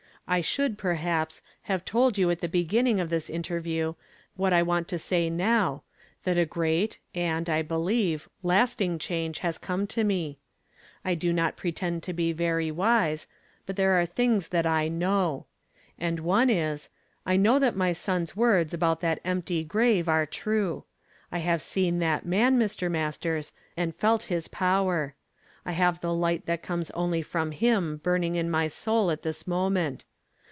I should, perhaps, have told you at the beginning of this interview, what I want to ^ay now, tliat a great and, I be lieve, lasting change has come to me. I do not pretend to be very wise, but there are some things that I hmr. And one is, I know that my son's words about that empty grave are true. I have seen that mm, Mr. Masters, and felt his power. I have the light that comes only from him burn ing in my soul at this moment.